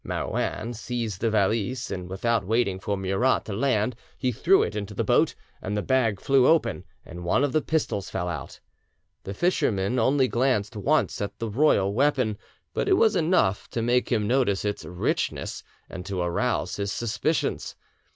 Marouin seized the valise, and without waiting for Murat to land he threw it into the boat; the bag flew open, and one of the pistols fell out. The fisherman only glanced once at the royal weapon, but it was enough to make him notice its richness and to arouse his suspicions.